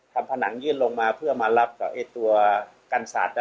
ทำผนังยื่นลงมาเพื่อมารับตัวกันสาดทั้งหน้า